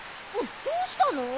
どうしたの！？